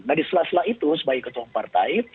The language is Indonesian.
nah di sela sela itu sebagai ketua partai